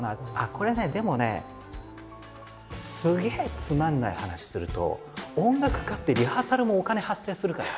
これねでもねすげえつまんない話すると音楽家ってリハーサルもお金発生するから。